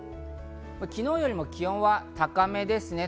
昨日よりも気温は高めですね。